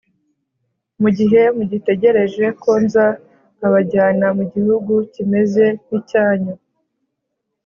, mu gihe mugitegereje ko nza nkabajyana mu gihugu kimeze nk’icyanyu,